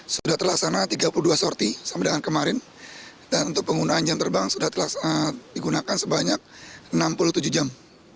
sudah telah sana tiga puluh dua sorti sama dengan kemarin dan untuk penggunaan jam penerbangan sudah telah digunakan sebanyak enam puluh tujuh jam